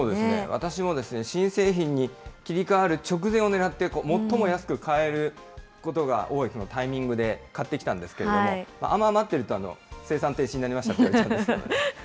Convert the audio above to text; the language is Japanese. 私も、新製品に切り替わる直前をねらって、最も安く買えることが多くのタイミングで買ってきたんですけれども、あんまり待ってると生産停止になりましたと言われちゃうんですけどね。